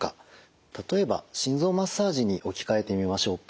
例えば心臓マッサージに置き換えてみましょうか。